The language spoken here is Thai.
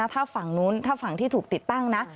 ถ้าฝั่งนู้นถ้าฝั่งที่ถูกติดตั้งนะ